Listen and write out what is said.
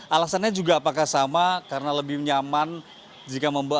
alasannya juga apakah sama karena lebih nyaman jika membawa